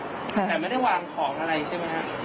แต่ไม่ได้วางของอะไรใช่ไหมฮะ